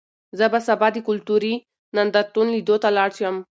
زه به سبا د کلتوري نندارتون لیدو ته لاړ شم.